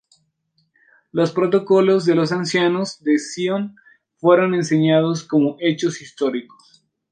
Los Protocolos de los Ancianos de Sión fueron enseñados como hechos históricos.